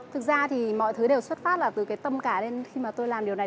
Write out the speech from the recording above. thực ra thì mọi thứ đều xuất phát là từ cái tâm cả lên khi mà tôi làm điều này